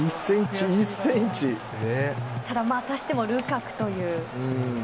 ただまたしてもルカクという。